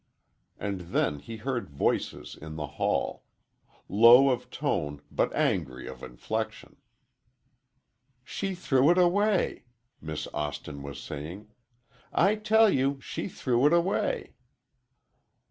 And then he heard voices in the hall. Low of tone, but angry of inflection. "She threw it away!" Miss Austin was saying; "I tell you she threw it away!"